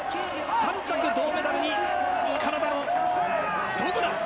３着、銅メダルにカナダのドグラス。